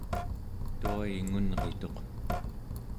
tua-i-ngunrituq